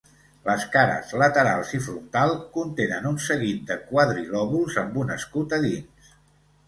Les cares laterals i frontal contenen un seguit de quadrilòbuls amb un escut a dins.